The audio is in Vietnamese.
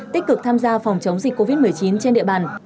tích cực tham gia phòng chống dịch covid một mươi chín trên địa bàn